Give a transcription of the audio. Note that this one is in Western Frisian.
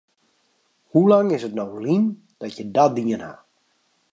Hoe lang is it no lyn dat je dat dien ha?